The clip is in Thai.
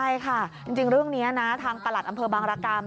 ใช่ค่ะจริงเรื่องนี้นะทางประหลัดอำเภอบางรกรรม